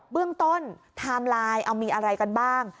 เบื้องต้นไทม์ไลน์เอามีอะไรกันบ้าง